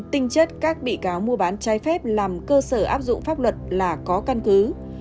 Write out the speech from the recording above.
tinh chất các bị cáo mua bán trái phép làm cơ sở áp dụng pháp luật là có căn cứ